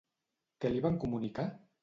Què li van comunicar?